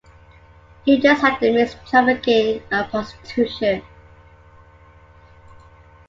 You just had to mix trafficking and prostitution.